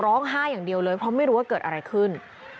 อย่างเดียวเลยเพราะไม่รู้ว่าเกิดอะไรขึ้น